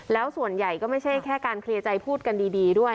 แล้วส่วนใหญ่ก็ไม่ใช่แค่การเคลียร์ใจพูดกันดีด้วย